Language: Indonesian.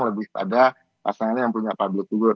lebih pada pasangannya yang punya public figure